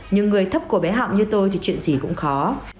nhưng người thấp của bé họng như tôi thì chuyện gì cũng khó